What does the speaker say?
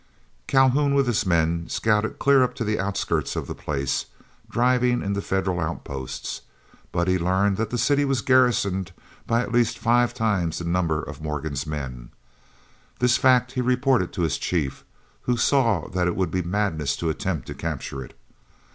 Calhoun, with his men, scouted clear up to the outskirts of the place, driving in the Federal outposts; but he learned that the city was garrisoned by at least five times the number of Morgan's men. This fact he reported to his chief, who saw that it would be madness to attempt to capture it.